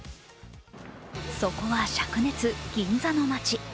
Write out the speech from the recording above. そこはしゃく熱、銀座の街。